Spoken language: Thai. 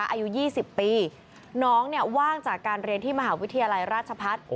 อายุ๒๐ปีน้องเนี่ยว่างจากการเรียนที่มหาวิทยาลัยราชพัฒน์